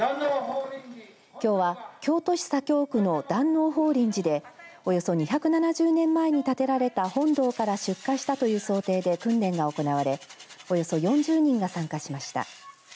きょうは京都市左京区の檀王法林寺でおよそ２７０年前に建てられた本堂から出火したという想定で訓練が行われおよそ４０人が参加しました。